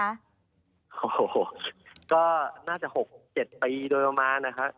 โอ้โหก็น่าจะ๖๗ปีโดยประมาณนะฮะ